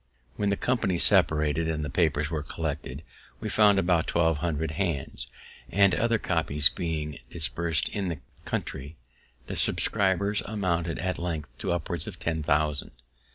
When the company separated, and the papers were collected, we found above twelve hundred hands; and, other copies being dispersed in the country, the subscribers amounted at length to upward of ten thousand.